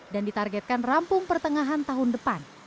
dan ditargetkan rampung pertengahan tahun depan